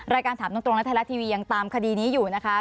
รายการถามตรงและไทยรัฐทีวียังตามคดีนี้อยู่นะคะ